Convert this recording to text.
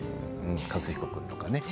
和彦君とかね。